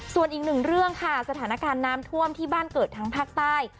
ส่วนอีกหนึ่งเรื่องค่ะสถานการณ์น้ำท่วมที่บ้านเกิดทั้งภาคใต้